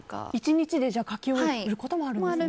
１日で描き終えることもあるんですね。